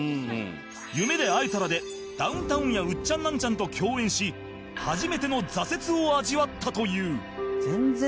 『夢で逢えたら』でダウンタウンやウッチャンナンチャンと共演し初めての挫折を味わったという